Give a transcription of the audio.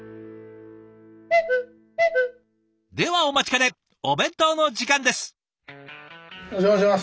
ではお待ちかねお弁当の時間です。